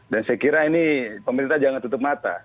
dan saya kira ini pemerintah jangan tutup mata